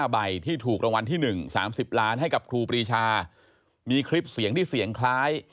ใบที่ถูกรางวัลที่๑๓๐ล้านให้กับครูปรีชามีคลิปเสียงที่เสียงคล้าย